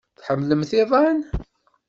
Tḥemmlemt iḍan?